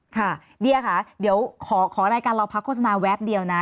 ค่ะเดียค่ะเดี๋ยวขอรายการเราพักโฆษณาแวบเดียวนะ